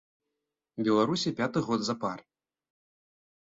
Беларусі пяты год запар.